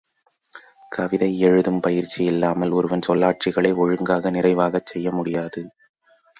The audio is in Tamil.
கவிதை எழுதும் பயிற்சி இல்லாமல் ஒருவன் சொல்லாட்சிகளை ஒழுங்காக, நிறைவாகச் செய்ய முடியாது.